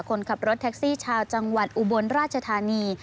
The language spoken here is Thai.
คนขับรถแท็กซี่ชาวจังหวัดอุบลราชธานี